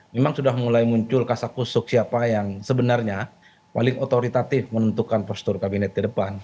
memang sudah mulai muncul kasakusuk siapa yang sebenarnya paling otoritatif menentukan postur kabinet ke depan